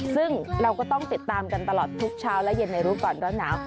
ซึ่งเราก็ต้องติดตามกันตลอดทุกเช้าและเย็นในรู้ก่อนร้อนหนาว